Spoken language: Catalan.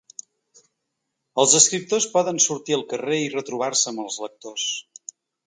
Els escriptors poden sortir al carrer i retrobar-se amb els lectors.